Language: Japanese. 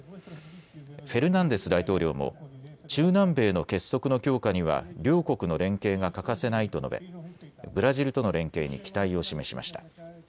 フェルナンデス大統領も中南米の結束の強化には両国の連携が欠かせないと述べブラジルとの連携に期待を示しました。